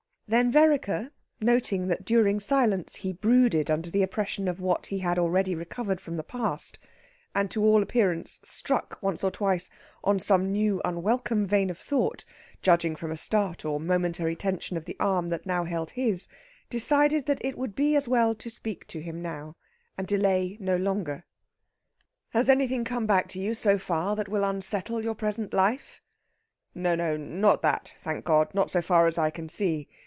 Then Vereker, noting that during silence he brooded under the oppression of what he had already recovered from the past, and to all appearance struck, once or twice, on some new unwelcome vein of thought, judging from a start or a momentary tension of the arm that now held his, decided that it would be as well to speak to him now, and delay no longer. "Has anything come back to you, so far, that will unsettle your present life?" "No, no not that, thank God! Not so far as I can see.